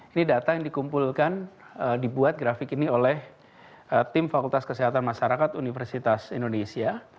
ini data yang dikumpulkan dibuat grafik ini oleh tim fakultas kesehatan masyarakat universitas indonesia